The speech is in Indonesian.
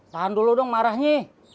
tahan dulu dong marahnya